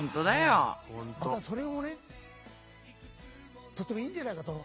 またそれもねとてもいいんじゃないかと思う。